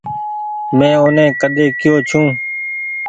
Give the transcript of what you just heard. مين اوني ڪۮي ڪي يو ڇون۔